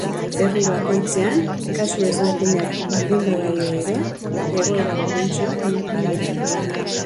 Herri bakoitzean kasu ezberdinak baldin badaude ere, egoera berdintsuak ematen dira.